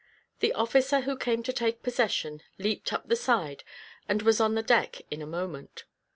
The officer who came to take possession, leaped up the side, and was on the deck in a moment.